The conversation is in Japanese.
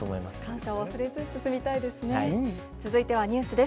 感謝を忘れず進みたいですね。